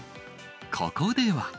ここでは。